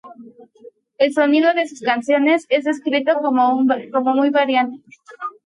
El sonido de sus canciones es descrito como muy variante.